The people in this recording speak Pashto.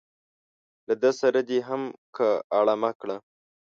له ده سره دې هم که اړمه کړه.